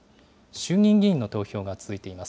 衆議院議員の投票が続いています。